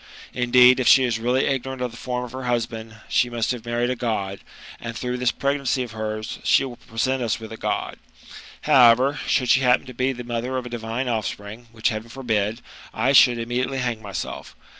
Indeed, if she is really ignorant of the form of her husband, she must tiave married a God, and through this pregnancy of hers, she will present us with a God. However, should she happen to be the mother of a divine offspring, which heaven forbid ! I should immediately bang myself.